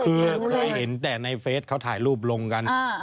คือเคยเห็นแต่ในเฟสเขาถ่ายรูปลงกัน